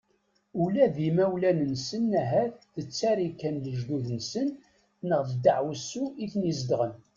Ula d imawlan-nsen ahat d ttarika n lejdud-nsen neɣ d ddeɛwessu iten-izedɣen.